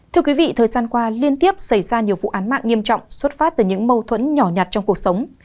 thưa quý vị thời gian qua liên tiếp xảy ra nhiều vụ án mạng nghiêm trọng xuất phát từ những mâu thuẫn nhỏ nhặt trong cuộc sống